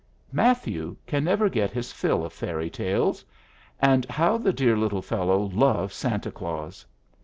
Matthew can never get his fill of fairy tales, and how the dear little fellow loves Santa Claus!